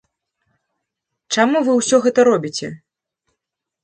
Чаму вы ўсё гэта робіце?